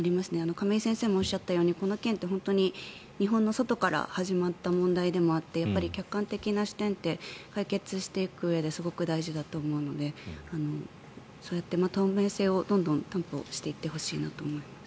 亀井先生もおっしゃったようにこの件って本当に日本の外から始まった問題でもあって客観的な視点って解決していくうえですごく大事だと思うのでそうやって透明性をどんどん担保してほしいと思います。